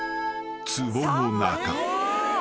［つぼの中］